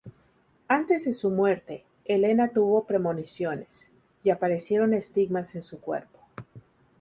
Antes de su muerte, Helena tuvo premoniciones, y aparecieron estigmas en su cuerpo.